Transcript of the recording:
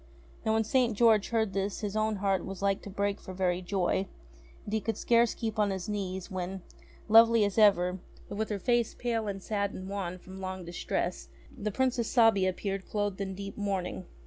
Now when St. George heard this his own heart was like to break for very joy, and he could scarce keep on his knees when, lovely as ever, but with her face pale and sad and wan from long distress, the Princess Sabia appeared clothed in deep mourning.